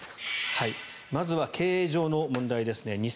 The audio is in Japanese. まずは経営上の問題ですね。